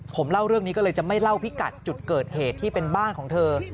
ผมเล่าเรื่องนี้ก็เลยจะไม่เล่าพิกัดจุดเกิดเหตุที่เป็นบ้านของเธอ